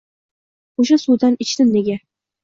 O’sha suvdan ichdim nega